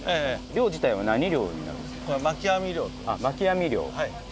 漁自体は何漁になるんですか？